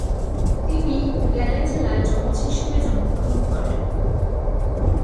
তিনি গ্যালে জেলায় যমজ হিসেবে জন্মগ্রহণ করেন।